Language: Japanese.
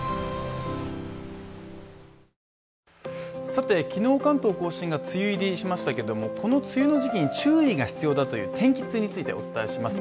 さて昨日、関東甲信が梅雨入りしましたけどもこの梅雨の時期に注意が必要だという天気痛についてお伝えします。